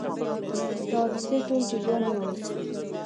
د حادثې ټول جریان یې وویل.